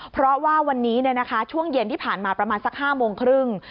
เพราะว่าวันนี้ช่วงเย็นที่ผ่านมาประมาณสัก๕โมงครึ่ง